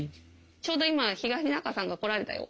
ちょうど今東仲さんが来られたよ。